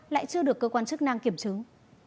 lại chưa được cơ quan chức năng kiểm chứng